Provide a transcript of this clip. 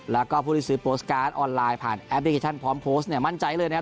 แล้วก็ผู้ที่ซื้อโพสต์การ์ดออนไลน์ผ่านแอปพลิเคชันพร้อมโพสต์เนี่ยมั่นใจเลยนะครับ